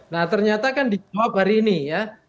nah ternyata kan dijawab hari ini ya